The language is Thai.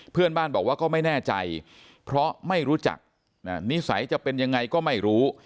เพื่อนบ้านบอกว่าก็ไม่แน่ใจเพราะไม่รู้จักนิสัยจะเป็นยังไงก็ไม่รู้